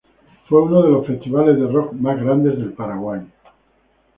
Fue uno de los festivales de rock más grandes del Paraguay.